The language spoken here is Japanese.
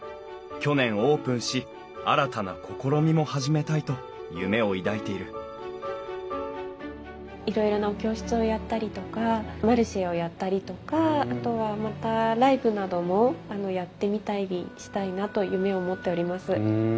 去年オープンし新たな試みも始めたいと夢を抱いているいろいろなお教室をやったりとかマルシェをやったりとかあとはまたライブなどもやってみたりしたいなと夢を持っております。